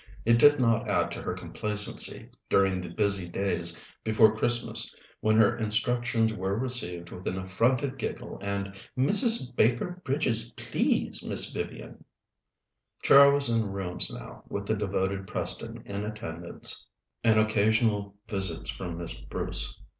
It did not add to her complacency, during the busy days before Christmas, when her instructions were received with an affronted giggle and "Mrs. Baker Bridges, please, Miss Vivian!" Char was in rooms now, with the devoted Preston in attendance and occasional visits from Miss Bruce.